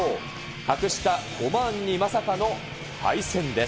格下オマーンにまさかの敗戦です。